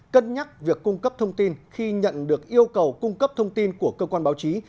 cân nhắc việc cung cấp thông tin khi nhận được yêu cầu cung cấp thông tin của cơ quan báo chí